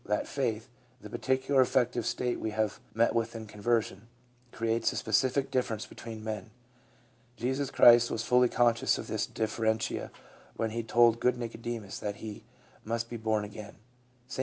that faith (the particular affective state we have met with in con version) creates a specific difference between men. Jesus Christ was fully conscious of this differentia when He told good Nicodemus that he must be born again. St.